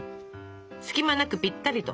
隙間なくぴったりと。